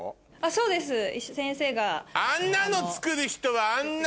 そうです先生が。